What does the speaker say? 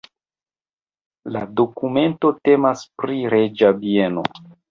La dokumento temas pri reĝa bieno.